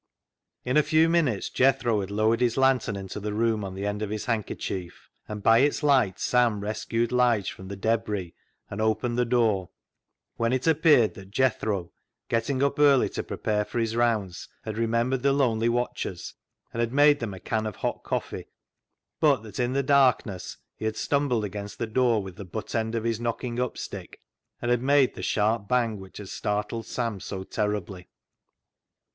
In a few minutes Jethro had lowered his lantern into the room on the end of his hand kerchief, and by its light Sam rescued Lige from the debris and opened the door, when it appeared that Jethro, getting up early to pre pare for his rounds, had remembered the lonely watchers, and had made them a can of hot coffee, but that in the darkness he had stumbled against the door with the butt end of his knocking up stick, and had made the sharp bang which had startled Sam so terribly.